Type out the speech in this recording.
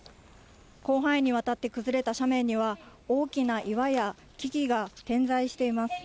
広範囲にわたって崩れた斜面には、大きな岩や木々が点在しています。